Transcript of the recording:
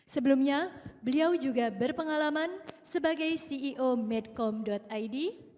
sebelumnya beliau juga berpengalaman sebagai ceo medcom id